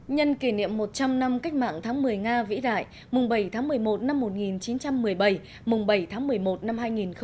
nhân kỷ niệm một trăm linh năm cách mạng tháng một mươi nga vĩ đại mùng bảy tháng một mươi một năm một nghìn chín trăm một mươi bảy mùng bảy bảy tháng một mươi một năm hai nghìn một mươi chín